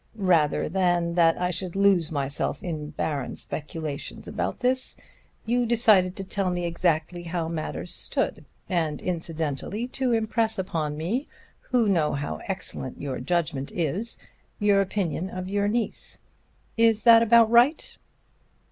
Rather than that I should lose myself in barren speculations about this, you decided to tell me exactly how matters stood, and incidentally to impress upon me, who know how excellent your judgment is, your opinion of your niece. Is that about right?"